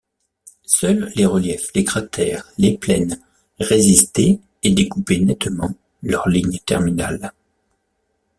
Seuls les reliefs, les cratères, les plaines, résistaient et découpaient nettement leurs lignes terminales.